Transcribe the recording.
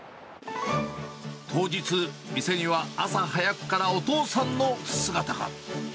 当日、店には朝早くからお父さんの姿が。